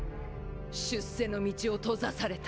出世の道を閉ざされた。